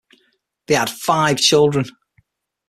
They had five children.